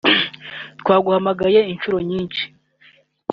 Twaguhamagaye inshuro nyinshi